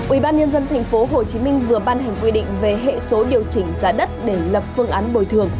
ubnd tp hcm vừa ban hành quy định về hệ số điều chỉnh giá đất để lập phương án bồi thường